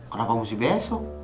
kenapa mesti besok